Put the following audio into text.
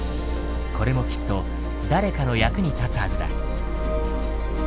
これもきっと誰かの役に立つはずだ。